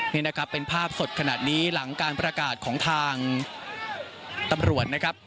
นี่นะครับเป็นภาพสดขนาดนี้หลังการประกาศของทางตำรวจนะครับ